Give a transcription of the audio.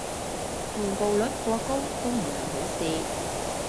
同步率過高都唔係好事